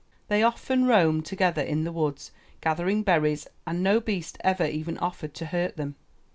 '' They often roamed together in the woods, gathering berries, and no beast ever even offered to hurt them.